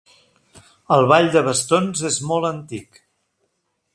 El Ball de bastons és molt antic.